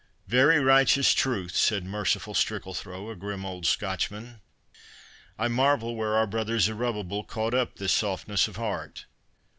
"Very righteous truth," said Merciful Strickalthrow, a grim old Scotchman; "I marvel where our brother Zerubbabel caught up this softness of heart?"